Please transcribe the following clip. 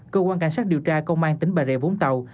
cơ quan cảnh sát điều tra công an tỉnh bà rịa vũng tàu